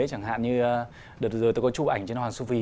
chẳng hạn như đợt rồi tôi có chụp ảnh trên hoàng xu vì